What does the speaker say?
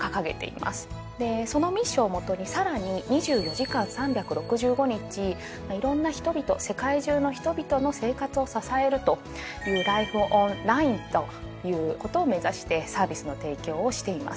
でそのミッションを基にさらに２４時間３６５日いろんな人々世界中の人々の生活を支えるという「ＬｉｆｅｏｎＬＩＮＥ」ということを目指してサービスの提供をしています。